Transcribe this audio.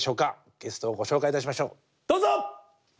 ゲストをご紹介いたしましょうどうぞ！